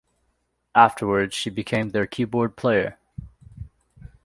Afterwards, she became their keyboard player.